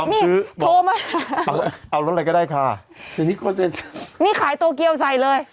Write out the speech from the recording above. ยอมซื้อโทรมาเอารถอะไรก็ได้ค่ะนี่คอร์เซ็นเตอร์นี่ขายโตเกียวใส่เลย